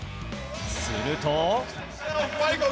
すると。